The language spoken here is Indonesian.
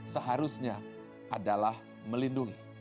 seharusnya adalah melindungi